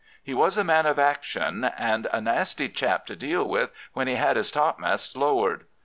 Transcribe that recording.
He was a man of action, and a nasty chap to deal with when he had his topmasts lowered.